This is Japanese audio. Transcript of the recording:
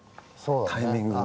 タイミングが。